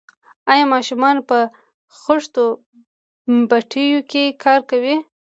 آیا ماشومان په خښتو بټیو کې کار کوي؟